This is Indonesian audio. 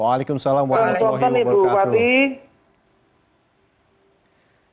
waalaikumsalam warahmatullahi wabarakatuh